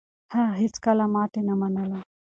هغه هيڅکله ماتې نه منله.